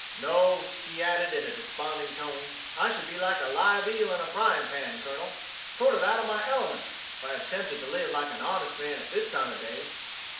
No,' he added in a desponding tone, 'I should be like a live eel in a frying pan, Colonel, sort of out of my element, if I attempted to live like an honest man at this time o' day.'